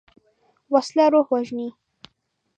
وسله روح وژني